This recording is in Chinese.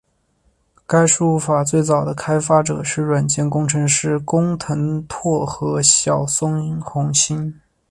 该输入法最早的开发者是软件工程师工藤拓和小松弘幸。